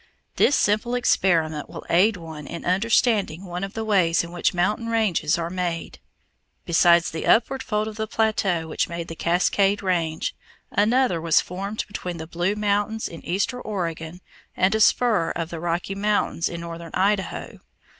This simple experiment will aid one in understanding one of the ways in which mountain ranges are made. Besides the upward fold of the plateau which made the Cascade Range, another was formed between the Blue Mountains in eastern Oregon and a spur of the Rocky Mountains in northern Idaho.